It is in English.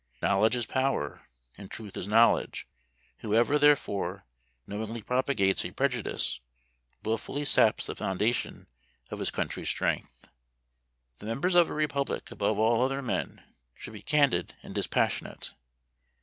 Knowledge is power, and truth is knowledge; whoever, therefore, knowingly propagates a prejudice, wilfully saps the foundation of his country's strength. The members of a republic, above all other men, should be candid and dispassionate.